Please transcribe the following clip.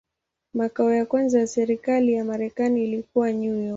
Makao ya kwanza ya serikali ya Marekani ilikuwa New York.